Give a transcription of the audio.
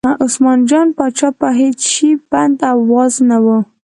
عثمان جان پاچا په هېڅ شي بند او واز نه و.